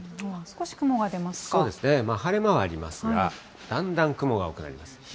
そうですね、晴れ間はありますが、だんだん雲が多くなります。